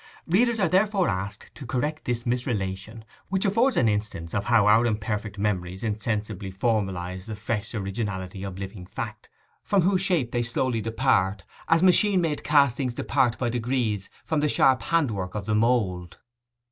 Readers are therefore asked to correct the misrelation, which affords an instance of how our imperfect memories insensibly formalize the fresh originality of living fact—from whose shape they slowly depart, as machine made castings depart by degrees from the sharp hand work of the mould.